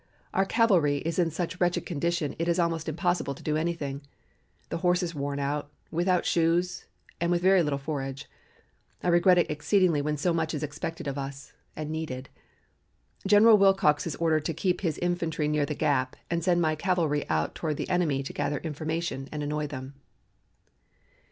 Our cavalry is in such wretched condition it is almost impossible to do anything, the horses worn out, without shoes, and with very little forage. I regret it exceedingly when so much is expected of us and needed. General Wilcox is ordered to keep his infantry near the Gap and send my cavalry out toward the enemy to gather information and annoy them."